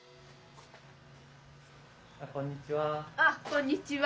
こんにちは。